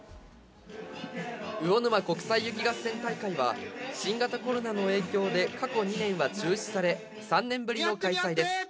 魚沼国際雪合戦大会は、新型コロナの影響で、過去２年は中止され、３年ぶりの開催です。